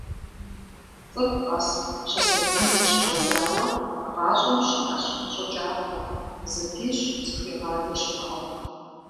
Цӏыху къэс, щысабийм къыщыщӏэдзауэ, гъащӏэм щиӏэщ щӏы кӏапэ, зыпищӏ, зыхуигъадэ щымыӏэу.